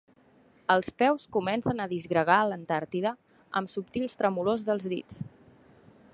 Els peus comencen a disgregar l'Antàrtida amb subtils tremolors dels dits.